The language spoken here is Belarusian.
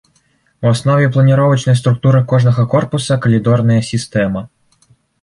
У аснове планіровачнай структуры кожнага корпуса калідорная сістэма.